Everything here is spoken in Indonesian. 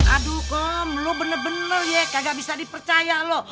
aduh kom lu bener bener ya kagak bisa dipercaya lu